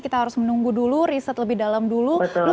kita harus menunggu dulu riset lebih dalam dulu